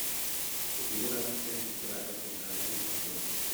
Der Ebola-Patient ist bereits auf der Quarantänestation.